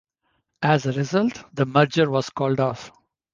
As a result, the merger was called off.